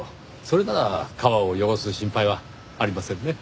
それなら川を汚す心配はありませんね。